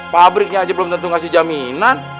fabriknya aja belum tentu kasih jaminan